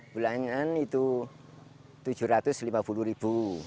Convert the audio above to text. bulanan itu rp tujuh ratus lima puluh